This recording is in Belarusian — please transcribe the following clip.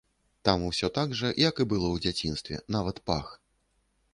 Там усё так жа, як і было ў дзяцінстве, нават пах.